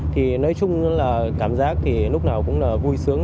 thì nói chung là cảm giác thì lúc nào cũng là vui sướng